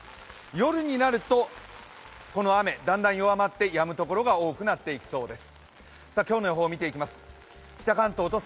夜になるとこの雨、だんだん弱まってやむところが多くなっていきそうです。